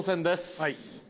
はい。